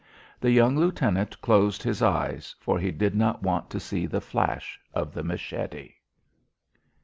The young lieutenant closed his eyes, for he did not want to see the flash of the machete.